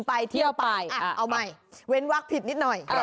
อ่ะเอาใหม่เว้นวักผิดนิดหน่อย